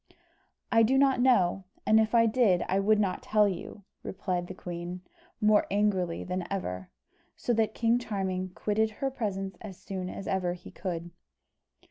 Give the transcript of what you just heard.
"I do not know; and if I did, I would not tell you," replied the queen, more angrily than ever; so that King Charming quitted her presence as soon as ever he could.